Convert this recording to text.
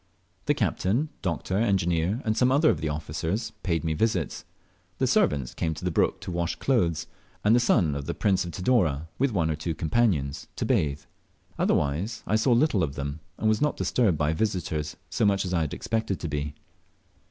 The captain, doctor, engineer, and some other of the officers paid me visits; the servants came to the brook to wash clothes, and the son of the Prince of Tidore, with one or two companions, to bathe; otherwise I saw little of them, and was not disturbed by visitors so much as I had expected to be.